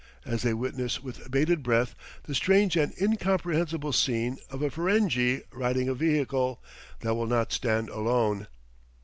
as they witness with bated breath the strange and incomprehensible scene of a Ferenghi riding a vehicle, that will not stand alone.